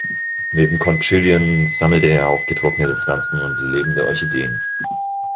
Neben Conchylien sammelte er auch getrocknete Pflanzen und lebende Orchideen.